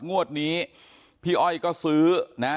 งวดนี้พี่อ้อยก็ซื้อนะ